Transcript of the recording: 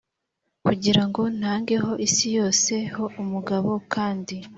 kugira ngo ntangeho isi yose ho umugabo kandi